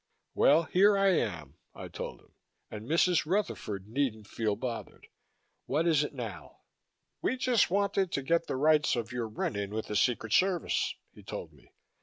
"Well, here I am," I told him, "and Mrs. Rutherford needn't feel bothered. What is it now?" "We just wanted to get the rights of your run in with the Secret Service," he told me.